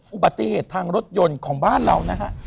อุบัติเหตุทางรถยนต์ของบ้านเรานะฮะ